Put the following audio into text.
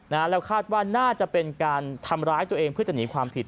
แล้วคาดว่าน่าจะเป็นการทำร้ายตัวเองเพื่อจะหนีความผิด